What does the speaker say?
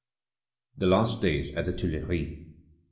THE LAST DAYS AT THE TUILERIES.